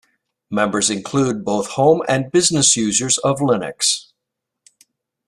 Members include both home and business users of Linux.